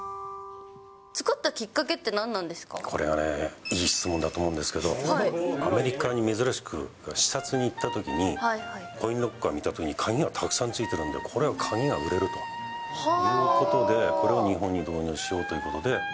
作ったきっかけって、何なんこれはね、いい質問だと思うんですけど、アメリカに珍しく視察に行ったときに、コインロッカー見たときに、鍵がたくさんついてるんで、これは鍵が売れるということで、これを日本に導入しようということで。